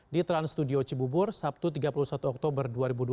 di trans studio cibubur sabtu tiga puluh satu oktober dua ribu dua puluh